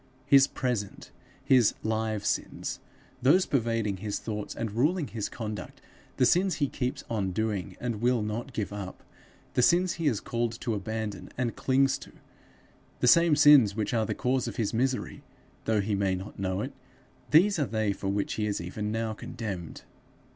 His present, his live sins those pervading his thoughts and ruling his conduct; the sins he keeps doing, and will not give up; the sins he is called to abandon, and clings to; the same sins which are the cause of his misery, though he may not know it these are they for which he is even now condemned.